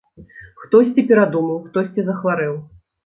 Хтосьці перадумаў, хтосьці захварэў.